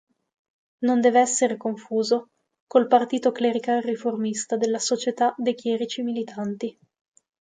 Non deve essere confuso col partito clerical-riformista della Società dei Chierici Militanti.